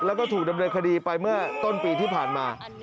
แล้วก็ถูกดำเนินคดีไปเมื่อต้นปีที่ผ่านมา